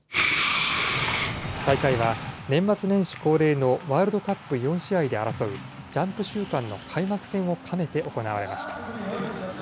大会は年末年始恒例のワールドカップ４試合で争うジャンプ週間の開幕戦を兼ねて行われました。